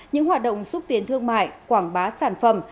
những hoạt động xúc tiến thương mại quảng bá sản phẩm